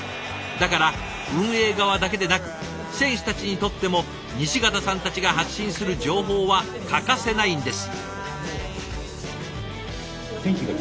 だから運営側だけでなく選手たちにとっても西潟さんたちが発信する情報は欠かせないんです。